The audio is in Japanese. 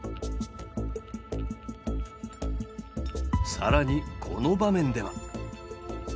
更にこの場面では。